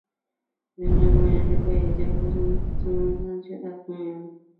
圆山公园是位在京都府京都市东山区的公园。